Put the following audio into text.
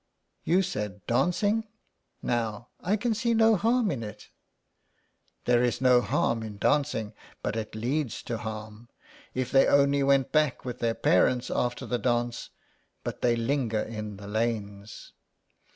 " You said dancing — now, I can see no harm in it." " There is no harm in dancing, but it leads to harm. If they only went back with their parents after the dance, but they linger in the lanes."